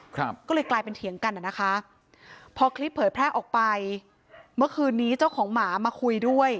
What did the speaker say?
ครับก็เลยกลายเป็นเถียงกันอ่ะนะคะพอคลิปเผยแพร่ออกไปเมื่อคืนนี้เจ้าของหมามาคุยด้วย